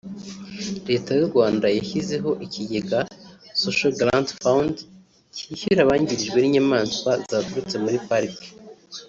Leta y’u Rwanda yashyizeho ikigega Social Grant Fund cyishyura abangirijwe n’inyamaswa zaturutse muri Pariki